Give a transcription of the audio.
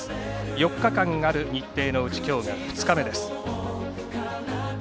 ４日間ある日程のうち今日が２日目です。